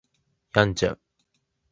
病んじゃう